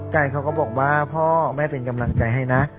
ไก่เขาก็บอกว่าพ่อแม่เป็นกำลังใจให้นะ